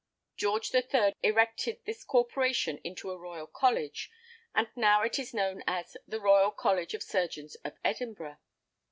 George the Third erected this corporation into a Royal College, and now it is known as "The Royal College of Surgeons of Edinburgh."